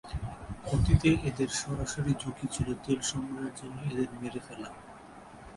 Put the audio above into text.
অতীতে, এদের সরাসরি ঝুঁকি ছিল তেল সংগ্রহের জন্য এদের মেরে ফেলা।